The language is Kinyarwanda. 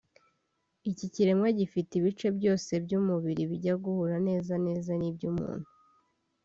Iki kiremwa gifite ibice byose by’umubiri bijya guhura neza neza n’iby’umuntu